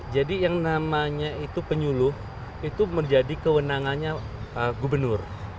jadi yang namanya itu penyuluh itu menjadi kewenangannya gubernur